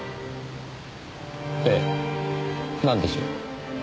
ええなんでしょう？